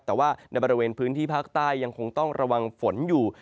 แต่ว่าในบริเวณพื้นที่ภาคใต้ยังคงต้องระวังฝนอยู่